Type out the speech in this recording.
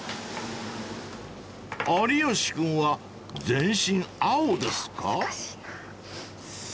［有吉君は全身青ですか］